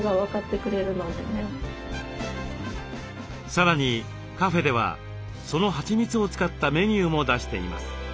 さらにカフェではそのはちみつを使ったメニューも出しています。